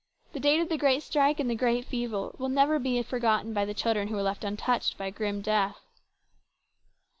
The date of the great strike and the great fever will never be forgotten by the children who were left untouched by grim Death.